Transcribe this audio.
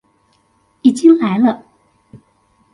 已經來了！